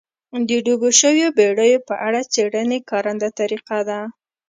د ډوبو شویو بېړیو په اړه څېړنې کارنده طریقه ده.